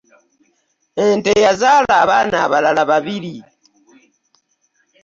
Ente yazaala abaana abalala babiri